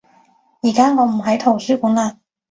而家我唔喺圖書館嘞